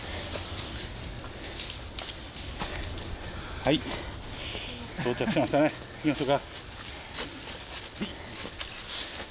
はい到着しましたね行きましょか。